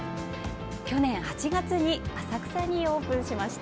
去年８月に浅草にオープンしました。